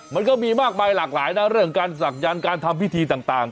มันก็มีมากมายหลากหลายนะเรื่องการศักยันต์การทำพิธีต่าง